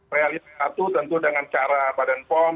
real yang satu tentu dengan cara badan pom